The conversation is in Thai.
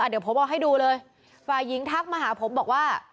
เดี๋ยวผมเอาให้ดูเลยฝ่ายหญิงทักมาหาผมบอกว่า